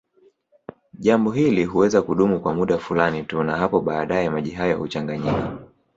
Jambo hili huweza kudumu kwa muda fulani tu na hapo baadaye maji hayo huchanganyika